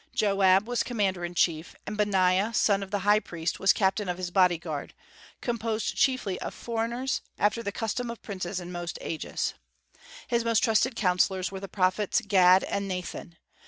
Joab was commander in chief; and Benaiah, son of the high priest, was captain of his body guard, composed chiefly of foreigners, after the custom of princes in most ages. His most trusted counsellors were the prophets Gad and Nathan.